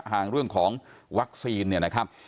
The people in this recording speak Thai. ห่างเรื่องของวัคซีนเนี่ยนะครับ